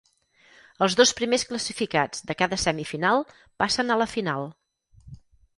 Els dos primers classificats de cada semifinal passen a la final.